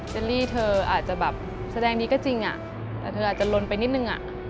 ลี่เธออาจจะแบบแสดงดีก็จริงแต่เธออาจจะลนไปนิดนึง